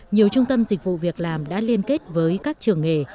nhiều trung tâm dịch vụ việc làm đã liên kết với các trường nghề